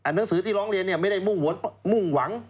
หนังสือที่ร้องเรียนไม่ได้มุ่งหวัง